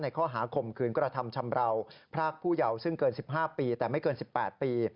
ข้อหาข่มขืนกระทำชำราวพรากผู้เยาว์ซึ่งเกิน๑๕ปีแต่ไม่เกิน๑๘ปี